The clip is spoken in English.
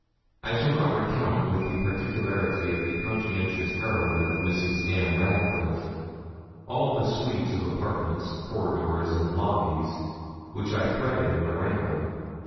I shall not recount with the particularity of the conscientious heroine of Mrs. Ann Radcliffe, all the suites of apartments, corridors, and lobbies, which I threaded in my ramble.